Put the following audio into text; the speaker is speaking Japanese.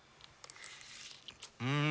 うん！